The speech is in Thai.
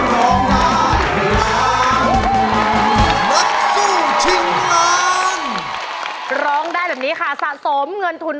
รองได้ครับ